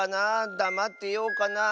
だまってようかなあ。